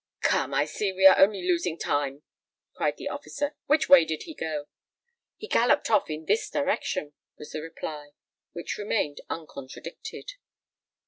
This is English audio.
"Come, I see we are only losing time," cried the officer. "Which way did he go?" "He galloped off in this direction," was the reply, which remained uncontradicted.